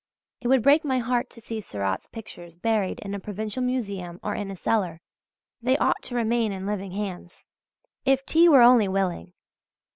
It would break my heart to see Seurat's pictures buried in a provincial museum or in a cellar; they ought to remain in living hands. If T. were only willing!...